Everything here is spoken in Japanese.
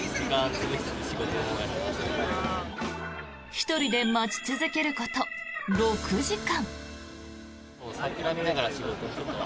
１人で待ち続けること６時間。